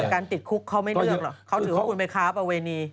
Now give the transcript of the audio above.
การติดคุกเขาไม่เลือกหรอกเขาถือว่าคุณไปค้าประเวณี